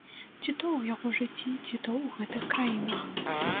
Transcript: Ці то ў яго жыцці, ці то ў гэтых краінах.